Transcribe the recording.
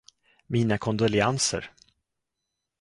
Mina kondoleanser!